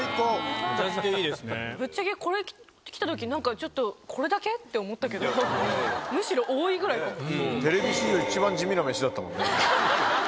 ぶっちゃけこれきた時何かちょっと。って思ったけどむしろ多いぐらいだった。